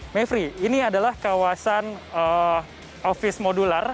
mevri ini adalah kawasan ofis modular